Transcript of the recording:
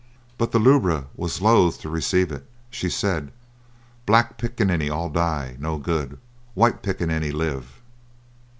But the lubra was loath to receive it. She said, "Black picaninny all die. No good; white picaninny live."